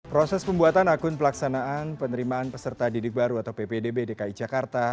proses pembuatan akun pelaksanaan penerimaan peserta didik baru atau ppdb dki jakarta